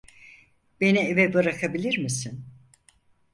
Beni eve bırakabilir misin?